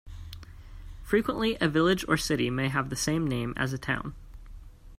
Frequently a village or city may have the same name as a town.